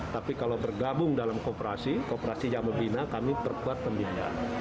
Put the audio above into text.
tapi kalau bergabung dalam kooperasi kooperasi yang membina kami perkuat pembinaan